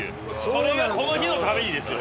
それがこの日のためにですよ。